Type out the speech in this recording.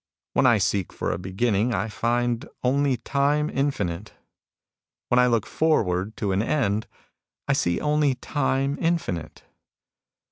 " When I seek for a beginning, I find only time infinite. When I look forward to an end, I see only time infinite.